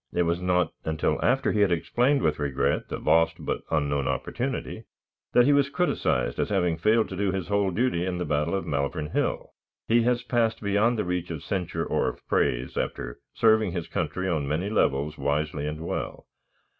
It was not until after he had explained with regret the lost, because unknown, opportunity, that he was criticised as having failed to do his whole duty at the battle of Malvern Hill. He has passed beyond the reach of censure or of praise, after serving his country on many fields wisely and well.